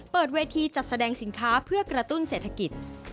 เปิดเวทีจัดแสดงสินค้าเพื่อกระตุ้นเศรษฐกิจ